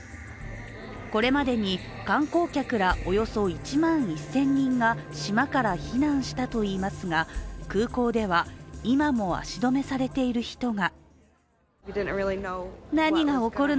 これまでに観光客ら、およそ１万１０００人が島から避難したといいますが、空港では今も足止めされている人が。